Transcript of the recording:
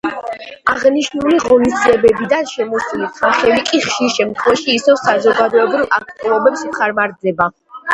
აღნიშნული ღონისძიებებიდან შემოსული თანხები კი ხშირ შემთხვეავში ისევ საზოგადოებრივ აქტივობებს ხმარდებოდა.